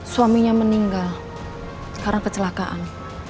suaminya meninggal karena kecelakaan